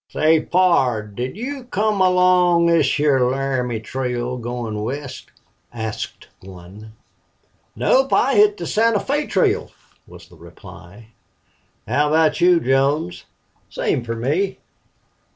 "Say, pard, did you come along this here Laramie Trail goin' West?" asked one. "Nope. I hit the Santa Fe Trail," was the reply. "How about you, Jones?" "Same fer me."